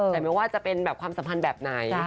แต่ไม่ว่าจะเป็นแบบความสัมพันธ์แบบไหน